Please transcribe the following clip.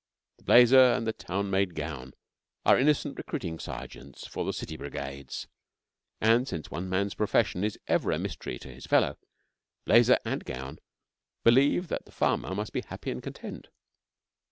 The blazer and the town made gown are innocent recruiting sergeants for the city brigades; and since one man's profession is ever a mystery to his fellow, blazer and gown believe that the farmer must be happy and content.